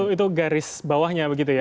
itu garis bawahnya begitu ya